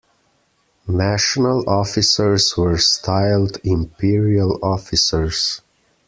National officers were styled "Imperial" officers.